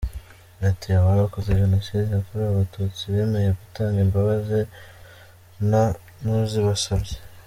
Ati “Abarokotse Jenoside yakorewe Abatutsi bemeye gutanga imbabazi nta n’uzibasabye.